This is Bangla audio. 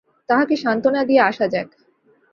তাঁহাকে সান্ত্বনা দিয়া আসা যাক।